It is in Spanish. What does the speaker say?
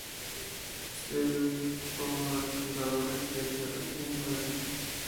Sedgwick fue uno de los fundadores de la geología moderna.